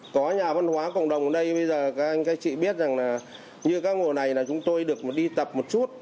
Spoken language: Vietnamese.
có nhà văn hóa cộng đồng ở đây bây giờ các anh các chị biết rằng là như các hồ này là chúng tôi được đi tập một chút